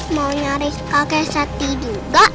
mau nyaris kakek sati juga